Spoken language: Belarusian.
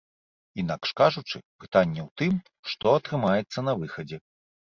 Інакш кажучы, пытанне ў тым, што атрымаецца на выхадзе.